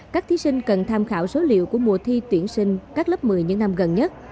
các thí sinh cần tham khảo số liệu của mùa thi tuyển sinh các lớp một mươi những năm gần nhất